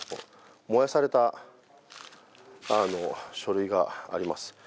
燃やされた書類があります。